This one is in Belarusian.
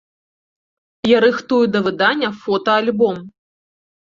Я рыхтую да выдання фотаальбом.